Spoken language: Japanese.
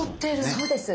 そうです。